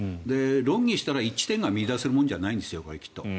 論議したら一致点が見いだせるものじゃないんです。